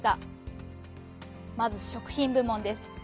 まず「食品部門」です。